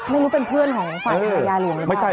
ไม่รู้เป็นเพื่อนเหรอฝ่ายยาเหลืองหรือเปล่า